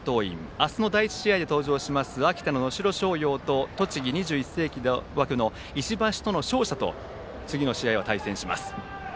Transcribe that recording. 明日の第１試合で登場する秋田・能代と栃木の２１世紀枠石橋の勝者と次の試合を対戦します。